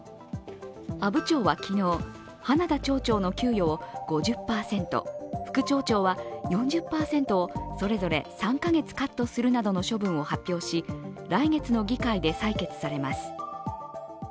阿武町は昨日花田町長の給与を５０％副町長は４０％をそれぞれ３カ月カットするなどの処分を発表し来月の議会で採決されます。